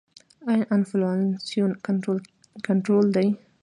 آیا انفلاسیون کنټرول دی؟